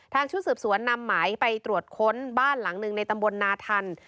ชุดสืบสวนนำหมายไปตรวจค้นบ้านหลังหนึ่งในตำบลนาทัน